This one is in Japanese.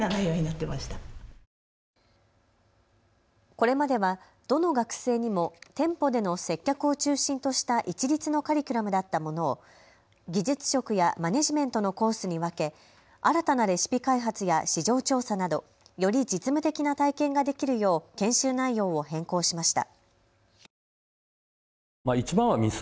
これまではどの学生にも店舗での接客を中心とした一律のカリキュラムだったものを技術職やマネジメントのコースに分け、新たなレシピ開発や市場調査などより実務的な体験ができるよう研修内容を変更しました。